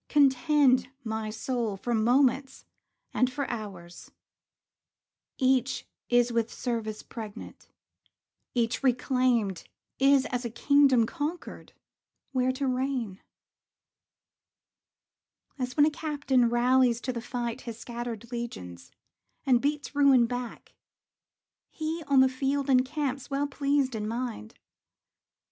Contend, my soul, for moments and for hours; Each is with service pregnant; each reclaimed Is as a kingdom conquered, where to reign. As when a captain rallies to the fight His scattered legions, and beats ruin back, He, on the field, encamps, well pleased in mind.